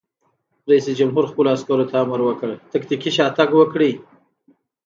رئیس جمهور خپلو عسکرو ته امر وکړ؛ تکتیکي شاتګ وکړئ!